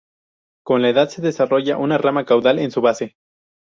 Con la edad se desarrolla una rama caudal en su base.